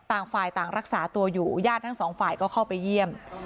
ต่างฝ่ายต่างรักษาตัวอยู่ญาติทั้งสองฝ่ายก็เข้าไปเยี่ยม